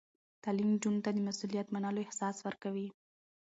تعلیم نجونو ته د مسؤلیت منلو احساس ورکوي.